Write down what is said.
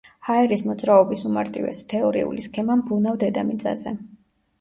ჰაერის მოძრაობის უმარტივესი თეორიული სქემა მბრუნავ დედამიწაზე.